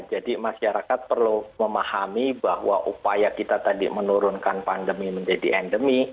jadi masyarakat perlu memahami bahwa upaya kita tadi menurunkan pandemi menjadi endemi